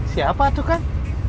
siapa tuh kan